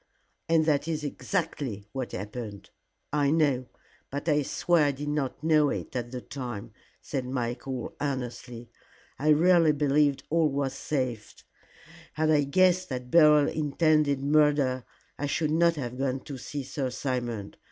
"And that is exactly what happened." "I know. But I swear I did not know it at the time," said Michael, earnestly. "I really believed all was safe. Had I guessed that Beryl intended murder, I should not have gone to see Sir Simon.